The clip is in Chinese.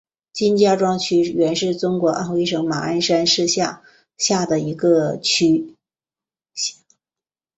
金家庄区原是中国安徽省马鞍山市下辖的一个区。